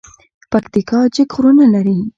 پکتیا جګ غرونه لري